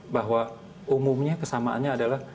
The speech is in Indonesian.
bahwa umumnya kesamaannya adalah